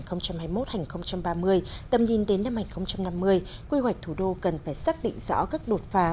tầm nhìn đến năm hai nghìn năm mươi quy hoạch thủ đô cần phải xác định rõ các đột phá